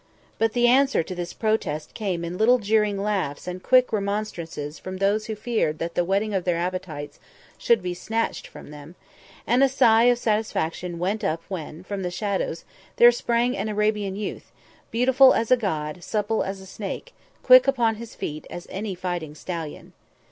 But the answer to this protest came in little jeering laughs and quick remonstrance from those who feared that the whetting of their appetites should be snatched from them, and a sigh of satisfaction went up when, from the shadows, there sprang an Arabian youth, beautiful as a god, supple as a snake, quick upon his feet as any fighting stallion.